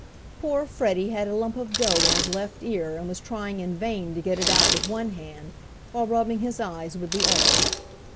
Poor Freddie had a lump of dough in his left ear and was trying in vain to get it out with one hand while rubbing his eyes with the other.